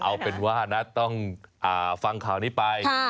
เอาเป็นว่านะต้องฟังข่าวนี้ไป